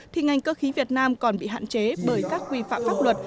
thì ngành cơ khí việt nam còn bị hạn chế bởi các quy phạm pháp luật